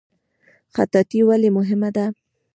خطاطي ولې مهمه ده؟